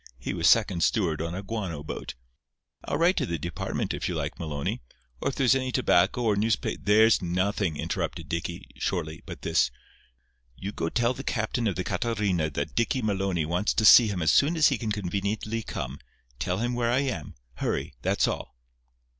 He was second steward on a guano boat. I'll write to the department if you like, Maloney. Or if there's any tobacco, or newspa—" "There's nothing," interrupted Dicky, shortly, "but this. You go tell the captain of the Catarina that Dicky Maloney wants to see him as soon as he can conveniently come. Tell him where I am. Hurry. That's all."